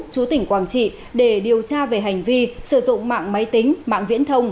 chú tỉnh quảng trị để điều tra về hành vi sử dụng mạng máy tính mạng viễn thông